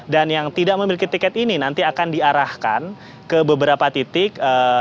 dan yang tidak memiliki tiket ini nanti akan diarahkan ke beberapa titik